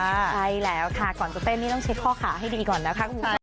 ใช่แล้วค่ะก่อนจะเต้นนี่ต้องเช็คข้อขาให้ดีก่อนนะคะคุณผู้ชม